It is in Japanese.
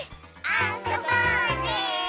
あそぼうね！